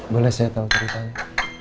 boleh saya tahu ceritanya